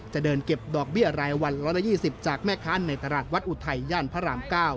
จะเดินเก็บดอกเบี้ยรายวัน๑๒๐จากแม่ค้าในตลาดวัดอุทัยย่านพระราม๙